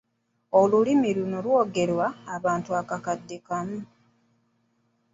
Olulimi luno lwogerwa abantu akakadde kamu.